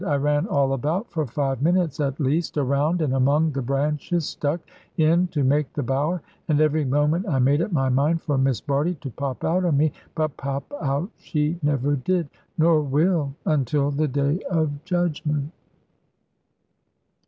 I ran all about, for five minutes at least, around and among the branches stuck in to make the bower, and every moment I made up my mind for Miss Bardie to pop out on me. But pop out she never did, nor will, until the day of judgment.